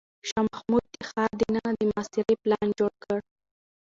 شاه محمود د ښار دننه د محاصرې پلان جوړ کړ.